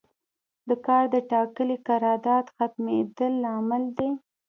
د کار د ټاکلي قرارداد ختمیدل لامل دی.